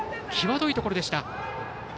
際どいところでした。